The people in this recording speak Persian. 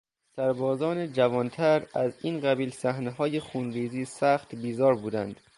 سربازان جوانتر از این قبیل صحنههای خونریزی سخت بیزار بودند.